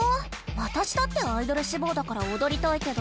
わたしだってアイドルしぼうだからおどりたいけど。